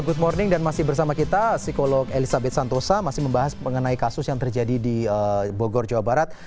good morning dan masih bersama kita psikolog elizabeth santosa masih membahas mengenai kasus yang terjadi di bogor jawa barat